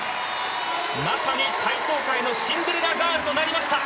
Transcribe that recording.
まさに体操界のシンデレラガールとなりました！